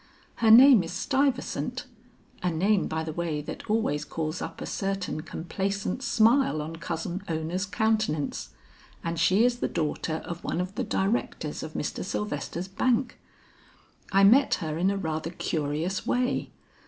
Her name is Stuyvesant a name by the way that always calls up a certain complacent smile on Cousin Ona's countenance and she is the daughter of one of the directors of Mr. Sylvester's bank. I met her in a rather curious way.